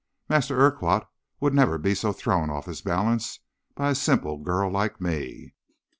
Master Urquhart would never be so thrown off his balance by a simple girl like me.'